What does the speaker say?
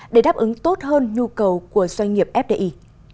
để đáp ứng tốt hơn nhu cầu của doanh nghiệp fdi